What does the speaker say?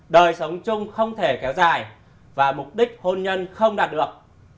đời sống chung không thể kéo dài và mục đích hôn nhân không đạt được